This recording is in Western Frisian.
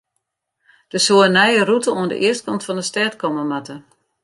Der soe in nije rûte oan de eastkant fan de stêd komme moatte.